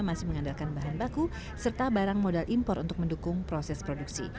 masih mengandalkan bahan baku serta barang modal impor untuk mendukung proses produksi